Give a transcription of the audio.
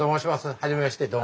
初めましてどうも。